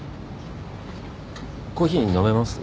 コーヒー飲めます？